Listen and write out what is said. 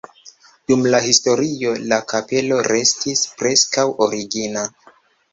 Dum la historio la kapelo restis preskaŭ origina.